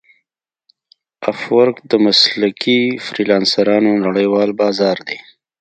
افورک د مسلکي فریلانسرانو نړیوال بازار دی.